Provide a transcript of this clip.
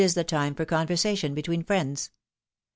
223 tlie time for conversation between friends.